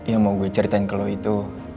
yang mau gue ceritain ke lo itu